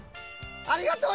ありがとう！